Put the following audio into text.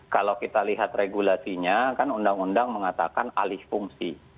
kalau kita lihat regulasinya kan undang undang mengatakan alih fungsi